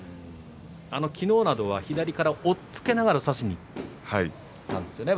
昨日などは左から押っつけながら差しにいったんですよね